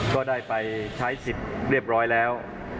ก็ได้ไปใช้สิทธิ์เรียบร้อยแล้ว